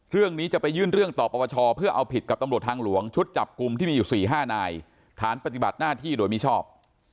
เรื่องนี้จะไปยื่นเรื่องต่อปวชเพื่อเอาผิดกับตำรวจทางหลวงชุดจับกลุ่มที่มีอยู่๔๕นายฐานปฏิบัติหน้าที่โดยมิชอบ